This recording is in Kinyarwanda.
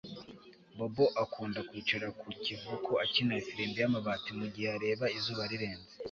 Bobo akunda kwicara ku kivuko akina ifirimbi yamabati mu gihe areba izuba rirenze